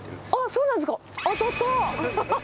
そうなんですか。